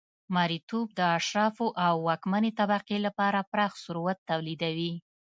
مریتوب د اشرافو او واکمنې طبقې لپاره پراخ ثروت تولیدوي